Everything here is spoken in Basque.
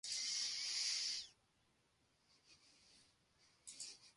Bi porrot kateatu ostean, armaginek hiru puntuak nahi dituzte arazoetatik aldentzeko.